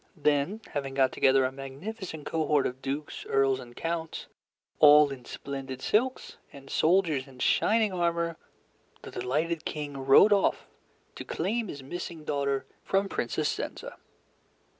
Then, having got together a magnificent cohort of dukes, earls, and counts, all in splendid silks, and soldiers in shining armor, the delighted King rode off to claim his missing daughter from Princess Zenza.